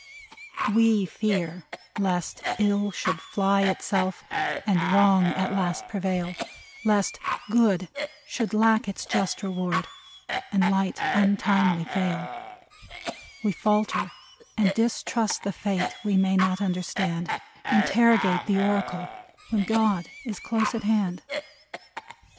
We fear lest ill should fly itself, And wrong at last prevail : Lest good should lack its just reward And light untimely fail : We falter, and distrust the fate We may not understand ; 155 THE CLOUDS Interrogate the oracle, When God is close at hand.